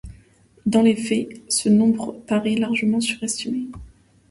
Dans les faits, ce nombre paraît largement surestimé.